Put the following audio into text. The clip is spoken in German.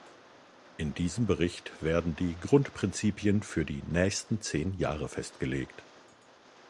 In diesem Bericht werden die Grundprinzipien für die nächsten zehn Jahre festgelegt.